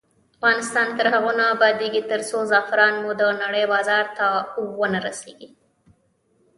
افغانستان تر هغو نه ابادیږي، ترڅو زعفران مو د نړۍ بازار ته ونه رسیږي.